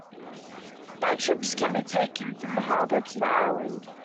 Boat trips can be taken from the harbour to the island.